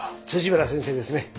辻村先生ですね